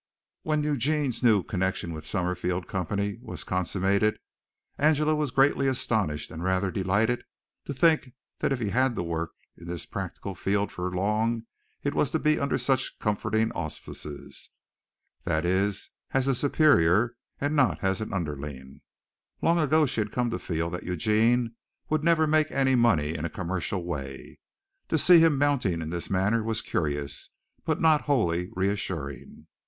When Eugene's new connection with the Summerfield company was consummated, Angela was greatly astonished and rather delighted to think that if he had to work in this practical field for long it was to be under such comforting auspices that is, as a superior and not as an underling. Long ago she had come to feel that Eugene would never make any money in a commercial way. To see him mounting in this manner was curious, but not wholly reassuring.